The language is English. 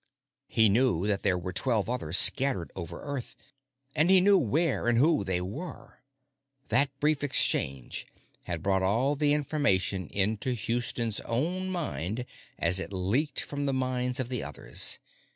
He knew that there were twelve others scattered over Earth, and he knew where and who they were. That brief exchange had brought all the information into Houston's own mind as it leaked from the minds of the others.